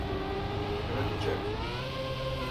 Kraliçe…